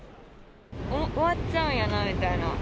終わっちゃうんやなみたいな。